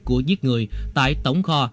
của giết người tại tổng kho